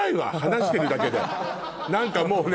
何かもうね。